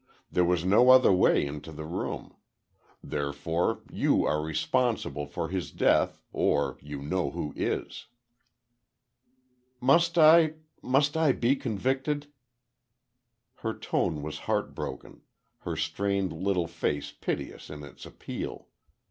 There was no other way into the room. Therefore, you are responsible for his death or—you know who is." "Must I—must I be convicted?" Her tone was heartbroken, her strained little face piteous in its appeal.